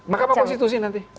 mahkamah konstitusi nanti